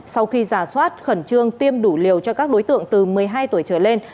sau khi giả soát khẩn trương tiêm đủ liều cho các đối tượng từ một mươi hai tuổi trở lên